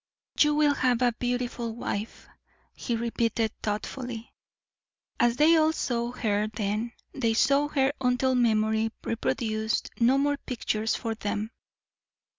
"You will have a beautiful wife," he repeated, thoughtfully. And as they all saw her then, they saw her until memory reproduced no more pictures for them.